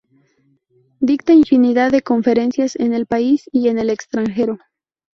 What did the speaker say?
Dicta infinidad de conferencias en el país y en el extranjero.